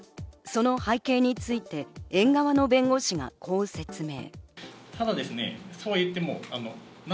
その背景について園側の弁護士はこう説明。